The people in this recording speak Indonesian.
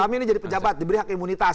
kami ini jadi pejabat diberi hak imunitas